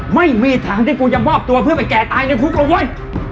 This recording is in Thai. ไม่มีทางที่กูจะมอบตัวเพื่อไปแก่ตายในคุกแล้วเว้ย